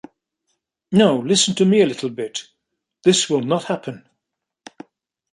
No, listen to me a little bit. This will not happen.